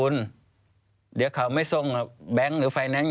แล้วเขาสร้างเองว่าห้ามเข้าใกล้ลูก